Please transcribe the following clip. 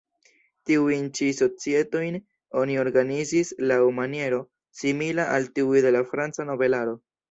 Tiujn ĉi societojn oni organizis laŭ maniero simila al tiuj de la franca nobelaro.